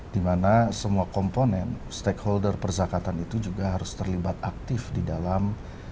dimana semua komponen stakeholder perzakatan itu juga harus terlibat aktif di dalam